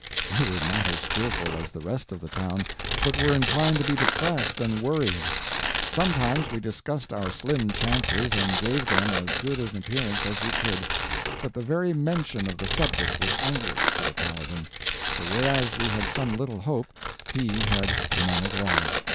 We were not as cheerful as the rest of the town, but were inclined to be depressed and worried. Sometimes we discussed our slim chances and gave them as good an appearance as we could. But the very mention of the subject was anguish to the Paladin; for whereas we had some little hope, he had none at all.